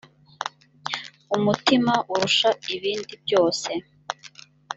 umutima urusha ibindi byose